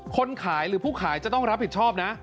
คนขายหรือผู้ขายจะต้องรับผิดชอบนะ